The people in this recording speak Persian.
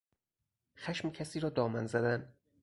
خشم کسی را دامن زدن